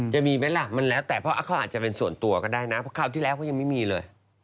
จะมีไหมล่ะมันแตะเค้าอาจจะเป็นส่วนตัวก็ได้นะเพราะเค้าที่แล้วโดยยังไม่มีเลย